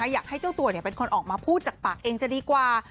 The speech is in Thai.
อยากให้เจ้าตัวเป็นคนออกมาพูดจากปากเองจะดีกว่า